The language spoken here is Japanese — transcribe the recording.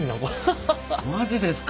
マジですか！